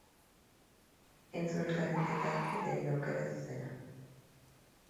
Entzun elkarrizketa eta egin aukera zuzena.